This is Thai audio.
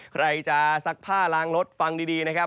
ใครจะซักผ้าล้างรถฟังดีนะครับ